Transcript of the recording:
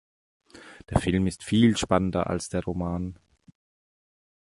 Der Film ist viel spannender als der Roman.